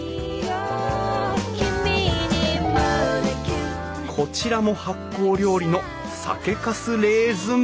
こちらも発酵料理の酒かすレーズンバター！